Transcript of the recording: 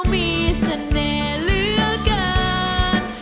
มีเสน่ห์เหลือเกิน